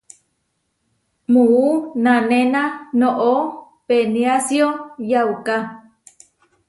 Muú nanéna noʼó peniásio yauká.